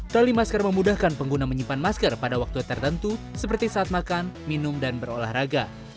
tali masker memudahkan pengguna menyimpan masker pada waktu tertentu seperti saat makan minum dan berolahraga